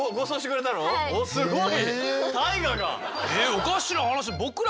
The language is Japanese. おかしな話。